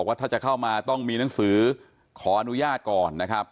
ว่าถ้าจะเข้ามาต้องมีหนังสือขออนุญาตก่อนนะครับ